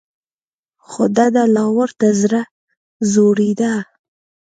خو دده لا ورته زړه ځورېده.